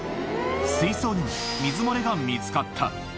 水槽にも水漏れが見つかった。